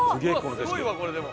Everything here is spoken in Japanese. すごいわこれでも。